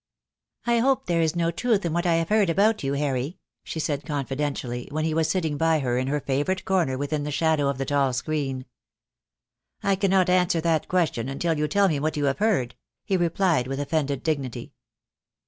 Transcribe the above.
"I hope there is no truth in what I have heard about you, Harry," she said confidentially, when he was sitting by her in her favourite corner within the shadow of the tall screen. "I cannot answer that question until you tell me what you have heard," he replied with offended dignity.